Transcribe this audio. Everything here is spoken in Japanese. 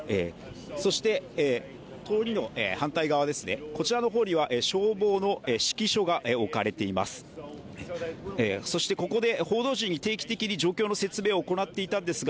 そして、通りの反対側には消防の指揮所が置かれています。